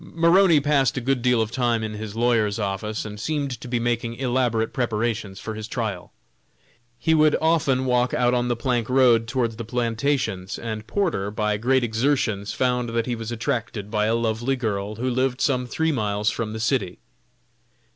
Maroney passed a good deal of time in his lawyer's office and seemed to be making elaborate preparations for his trial. He would often walk out on the plank road towards the plantations, and Porter, by great exertions, found that he was attracted by a lovely girl who lived some three miles from the city.